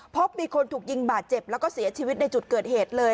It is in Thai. พบมีคนถูกยิงบาดเจ็บแล้วก็เสียชีวิตในจุดเกิดเหตุเลย